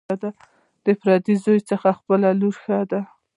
ـ د پردي زوى نه، خپله لور ښه ده.